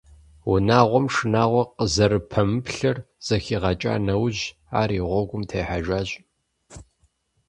Унагъуэм шынагъуэ къызэрыпэмыплъэр зэхигъэкӀа нэужь ар и гъуэгум техьэжащ.